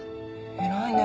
偉いね。